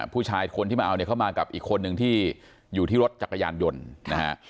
ผู้ชายคนที่มาเอาเนี่ยเข้ามากับอีกคนนึงที่อยู่ที่รถจักรยานยนต์นะฮะ